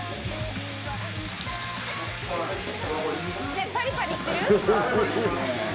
ねえパリパリしてる？